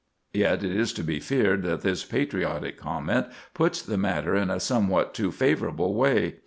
Yet it is to be feared that this patriotic comment puts the matter in a somewhat too favorable way.